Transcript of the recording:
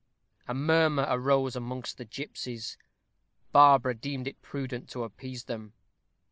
A murmur arose amongst the gipsies. Barbara deemed it prudent to appease them.